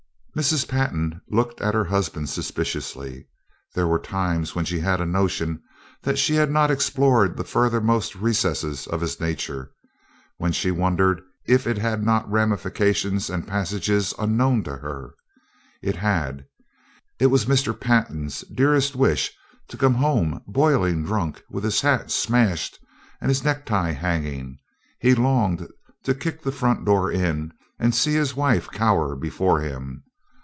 Mrs. Pantin looked at her husband suspiciously. There were times when she had a notion that she had not explored the furthermost recesses of his nature when she wondered if it had not ramifications and passages unknown to her. It had. It was Mr. Pantin's dearest wish to come home boiling drunk with his hat smashed and his necktie hanging. He longed to kick the front door in and see his wife cower before him.